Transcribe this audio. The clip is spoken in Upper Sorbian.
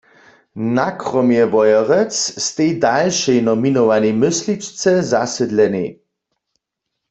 Na kromje Wojerec stej dalšej nominowanej mysličce zasydlenej.